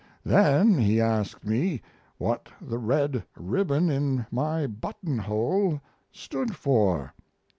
Then he asked me what the red ribbon in my buttonhole stood for?